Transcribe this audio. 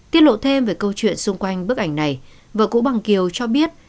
tiết lộ thêm về câu chuyện xung quanh bức ảnh này vợ cũ bằng kiều cho biết